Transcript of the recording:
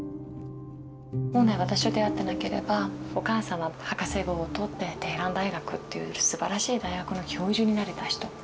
本来私と出会ってなければお母さんは博士号を取ってテヘラン大学っていうすばらしい大学の教授になれた人。